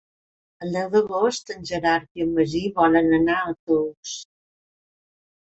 El deu d'agost en Gerard i en Magí volen anar a Tous.